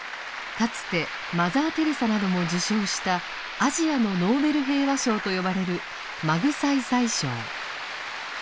かつてマザー・テレサなども受賞した「アジアのノーベル平和賞」と呼ばれるマグサイサイ賞。